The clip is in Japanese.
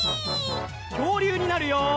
きょうりゅうになるよ！